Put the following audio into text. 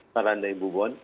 saran dari bu bon